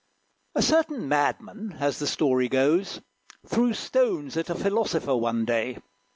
A Certain Madman, as the story goes, Threw stones at a Philosopher, one day.